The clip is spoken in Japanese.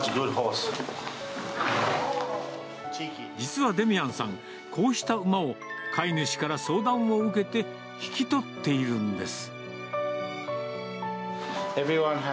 実はデミアンさん、こうした馬を、飼い主から相談を受けて引き取っているんです。